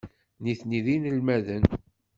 Nitni d inelmaden.